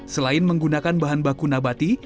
selain menggunakan bahan baku nabati